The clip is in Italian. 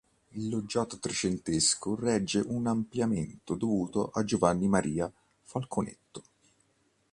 Il loggiato trecentesco regge un ampliamento dovuto a Giovanni Maria Falconetto.